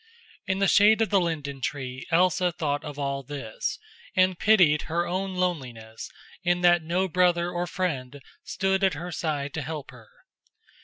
In the shade of the linden Elsa thought of all this, and pitied her own loneliness in that no brother or friend stood at her side to help her.